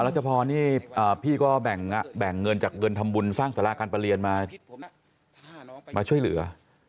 รัชพรนี่พี่ก็แบ่งเงินจากเงินทำบุญสร้างสาราการประเรียนมาช่วยเหลือ